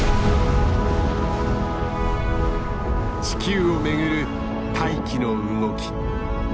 地球を巡る大気の動き。